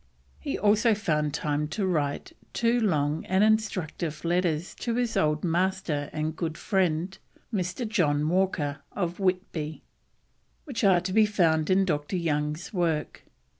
He also found time to write two long and instructive letters to his old master and good friend, Mr. John Walker of Whitby, which are to be found in Dr. Young's work.